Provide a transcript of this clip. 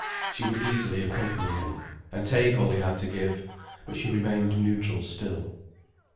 She would easily accompany him, and take all he had to give, but she remained neutral still.